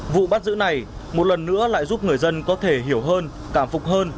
vụ bắt giữ này một lần nữa lại giúp người dân có thể hiểu hơn cảm phục hơn